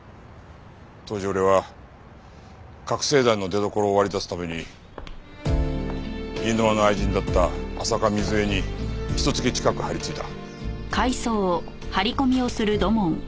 当時俺は覚せい剤の出どころを割り出すために飯沼の愛人だった浅香水絵にひと月近く張りついた。